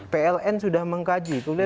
pln sudah mengkaji